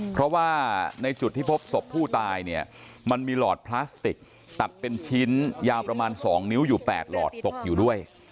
เพราะว่าในจุดที่พบศพผู้ตายเนี่ยมันมีหลอดพลาสติกตัดเป็นชิ้นยาวประมาณ๒นิ้วอยู่๘หลอดตกอยู่ด้วย